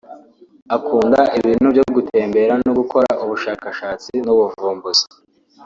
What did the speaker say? Akunda ibintu byo gutembera no gukora ubushakashatsi n’ubuvumbuzi